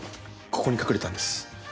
ここに隠れたんです。